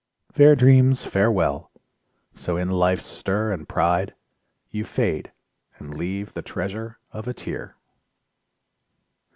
Fair dreams, farewell! So in life's stir and pride You fade, and leave the treasure of a tear!